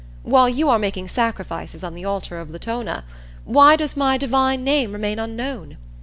While you are making sacrifices on the altar of Latona, why does my divine name remain unknown?